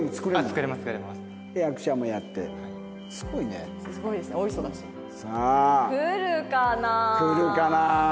来るかな？